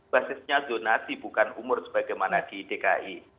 basisnya zonasi bukan umur sebagaimana di dki